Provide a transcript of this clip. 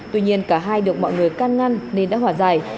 tuy nhiên cả hai được mọi người can ngăn nên đã hòa giải